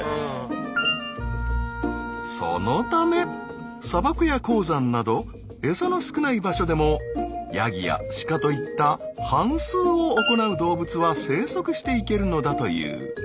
そのため砂漠や高山など餌の少ない場所でもヤギやシカといった反すうを行う動物は生息していけるのだという。